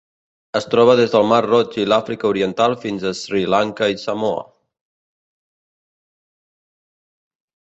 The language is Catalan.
Es troba des del Mar Roig i l'Àfrica Oriental fins a Sri Lanka i Samoa.